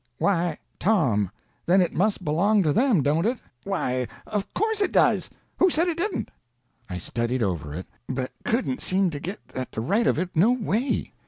"Why, Tom, then it must belong to them, don't it?" "Why of course it does. Who said it didn't?" I studied over it, but couldn't seem to git at the right of it, no way.